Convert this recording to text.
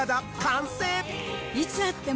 いつ会っても。